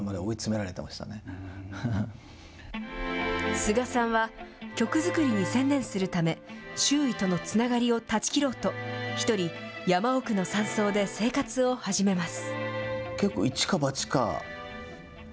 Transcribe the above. スガさんは、曲作りに専念するため、周囲とのつながりを断ち切ろうと、一人、山奥の山荘で生活を始めます。